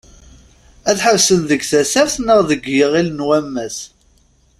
Ad ḥebsen deg Tasaft neɣ deg Iɣil n wammas?